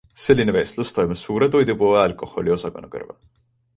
Selline vestlus toimus suure toidupoe alkoholiosakonna kõrval.